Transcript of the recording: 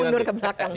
kita mundur ke belakang